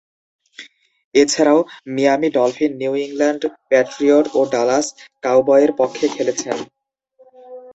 এছাড়াও, Miami Dolphin, New England Patriot ও Dallas কাউবয়ের পক্ষে খেলেছেন।